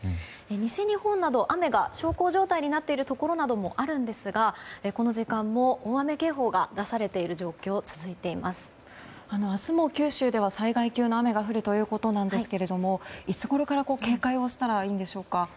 西日本など雨が小康状態になっているところなどもあるんですがこの時間も大雨警報が出されている状況が明日も九州では災害級の雨が降るということなんですがいつごろから警戒をしたらいいんでしょうか。